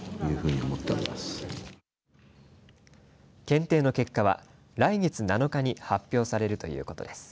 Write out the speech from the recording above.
検定の結果は来月７日に発表されるということです。